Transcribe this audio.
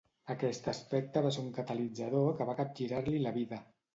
Aquest aspecte va ser un catalitzador que va capgirar-li la vida.